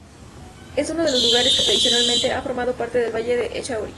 Es uno de los lugares que tradicionalmente ha formado parte del valle de Echauri.